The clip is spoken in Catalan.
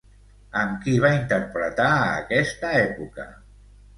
Amb qui va interpretar a aquesta època?